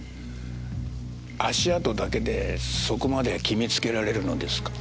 足跡だけでそこまで決めつけられるのですか？